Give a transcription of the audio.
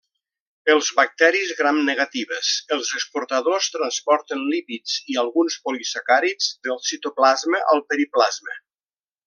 En bacteris Gramnegatives, els exportadors transporten lípids i alguns polisacàrids del citoplasma al periplasma.